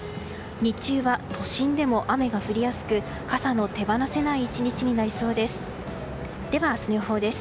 日中は、都心でも雨が降りやすく傘の手放せない１日になりそうです。